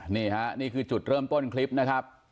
นี่ค่ะนี่คือจุดเริ่มต้นคลิปนะครับ